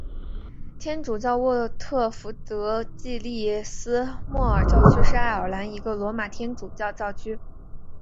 天主教沃特福德暨利斯莫尔教区是爱尔兰一个罗马天主教教区。